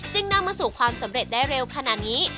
นำมาสู่ความสำเร็จได้เร็วขนาดนี้